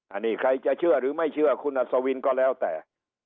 อันนี้ใครจะเชื่อหรือไม่เชื่อคุณอัศวินก็แล้วแต่